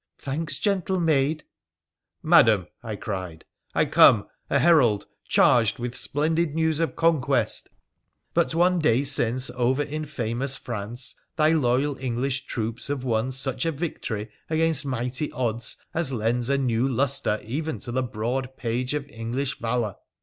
' Thanks, gentle maid !'' Madam,' I cried, ' I come, a herald, charged with splendid news of conquest ! But one day since, over in famous France, thy loyal English troops have won such a victory against mighty odds as lends a new lustre even to the broad page of English valour.